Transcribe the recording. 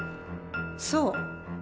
そう。